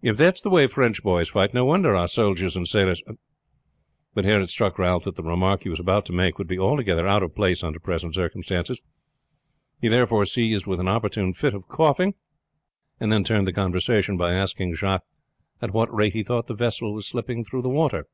If that's the way French boys fight, no wonder our soldiers and sailors " But here it struck Ralph that the remark he was about to make would be altogether out of place under present circumstances. He was therefore seized with an opportune fit of coughing, and then turned the conversation by asking Jacques at what rate he thought the vessel was slipping through the water.